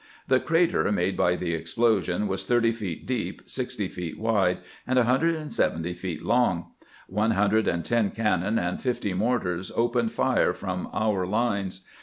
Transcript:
The crater made by the explosion was 30 feet deep, 60 feet wide, and 170 feet long. One hundred and ten cannon and fifty mortars opened fire from our lines.